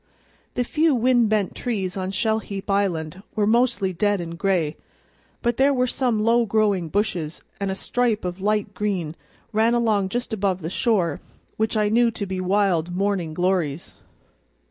The few wind bent trees on Shell heap Island were mostly dead and gray, but there were some low growing bushes, and a stripe of light green ran along just above the shore, which I knew to be wild morning glories.